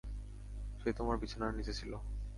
সে তোমার বিছানার নিচে ছিল।